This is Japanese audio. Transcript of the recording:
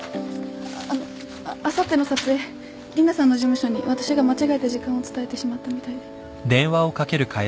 あのあさっての撮影リナさんの事務所に私が間違えて時間を伝えてしまったみたいで。